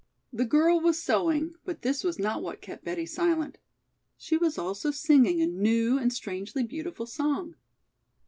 The girl was sewing, but this was not what kept Betty silent. She was also singing a new and strangely beautiful song.